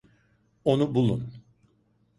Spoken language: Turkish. Onu bulun!